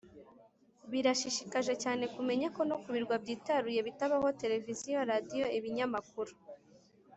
Birashishikaje cyane kumenya ko no ku birwa byitaruye bitabaho televiziyo radiyo ibinyamakuru